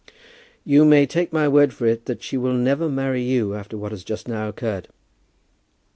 "You may take my word for it, that she will never marry you after what has just now occurred."